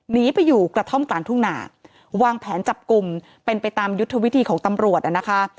หนีไปอยู่กระท่อมกลางทุ่งหนาวางแผนจับกลุ่มเป็นไปตามยุทธวิธีของตำรวจอ่ะนะคะ